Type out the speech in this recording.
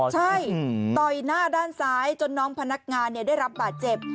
ใช่ต่อยหน้าด้านซ้ายจนน้องพนักงานได้รับบาดเจ็บ